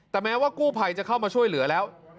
แต่แม้ว่ากู้ภัยจะเข้ามาช่วยเหลือแล้ว